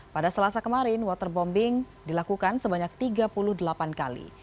pada selasa kemarin waterbombing dilakukan sebanyak tiga puluh delapan kali